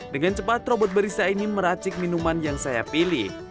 dengan cepat robot barista ini meracik minuman yang saya pilih